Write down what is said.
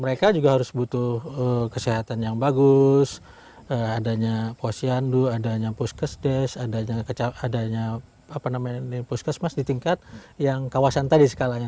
mereka juga harus butuh kesehatan yang bagus adanya posyandu adanya puskesdes adanya puskesmas di tingkat yang kawasan tadi skalanya